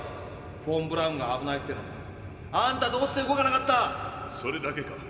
フォン・ブラウンが危ないってのにあんたどうして動かなかった⁉それだけか？